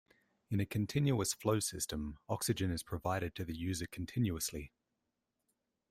In a "continuous-flow system", oxygen is provided to the user continuously.